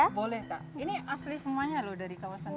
boleh kak ini asli semuanya loh dari kawasan ini